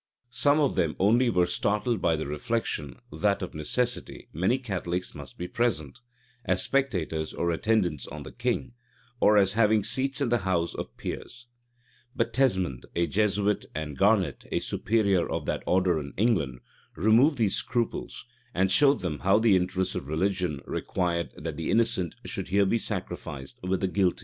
Some of them only were startled by the reflection, that of necessity many Catholics must be present, as spectators or attendants on the king, or as having seats in the house of peers: but Tesmond, a Jesuit, and Garnet, superior of that order in England, removed these scruples, and showed them how the interests of religion required that the innocent should here be sacrificed with the guilty.